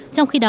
trong khi đó